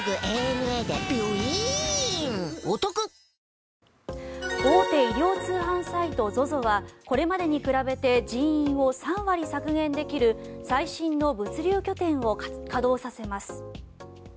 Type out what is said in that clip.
大空あおげ大手衣料通販サイトＺＯＺＯはこれまでに比べて人員を３割削減できる最新の物流拠点を稼働させます。